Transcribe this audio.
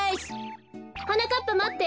はなかっぱまって。